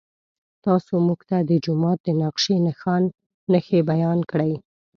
تاسو موږ ته د جومات د نقشې نښې بیان کړئ.